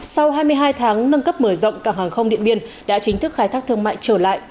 sau hai mươi hai tháng nâng cấp mở rộng cảng hàng không điện biên đã chính thức khai thác thương mại trở lại